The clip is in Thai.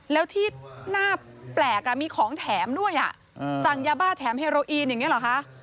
แล้วที่หน้าแปลกมีของแถมด้วยสั่งยาบ้าแถมเฮโรอีนอย่างนี้เหรอคะ